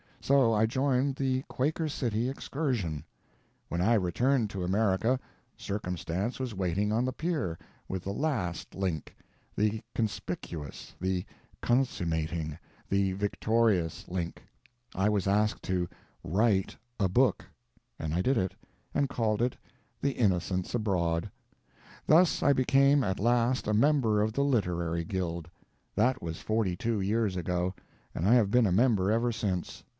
So I joined the "Quaker City Excursion." When I returned to America, Circumstance was waiting on the pier—with the _last _link—the conspicuous, the consummating, the victorious link: I was asked to write a book, and I did it, and called it The Innocents Abroad. Thus I became at last a member of the literary guild. That was forty two years ago, and I have been a member ever since.